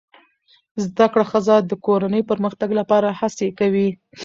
زده کړه ښځه د کورنۍ پرمختګ لپاره هڅې کوي